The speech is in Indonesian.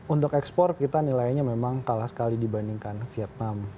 untuk ekspor kita nilainya memang kalah sekali dibandingkan vietnam